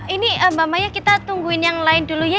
ini mbak maya kita tungguin yang lain dulu ya